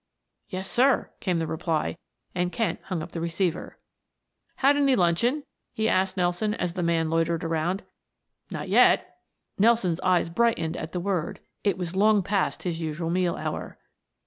"Yes, sir," came the reply, and Kent hung up the receiver. "Had any luncheon?" he asked Nelson as the man loitered around. "Not yet" Nelson's eyes brightened at the word. It was long past his usual meal hour.